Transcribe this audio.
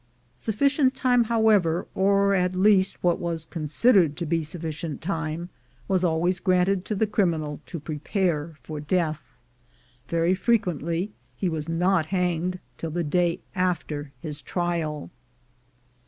Sufficient time, however, or at least what was considered to be sufficient time, was always granted to the criminal to prepare for death. Very frequently he was not hanged till the day after his trial.